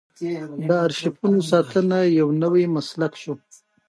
د ارشیفونو ساتنه یو نوی مسلک شو.